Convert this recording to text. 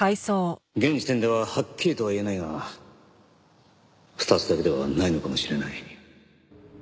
現時点でははっきりとは言えないが２つだけではないのかもしれない。